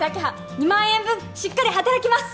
２万円分しっかり働きます